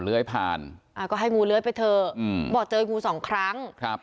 เลื้อยผ่านอ่าก็ให้งูเลื้อยไปเถอะอืมบอกเจองูสองครั้งครับ